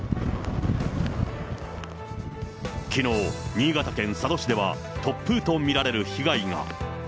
きのう、新潟県佐渡市では、突風と見られる被害が。